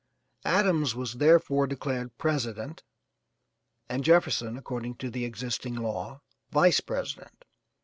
Adams was therefore declared president and Jefferson, according to existing law, vice president.